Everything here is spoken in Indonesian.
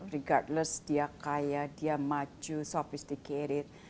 regardless dia kaya dia maju sophisticated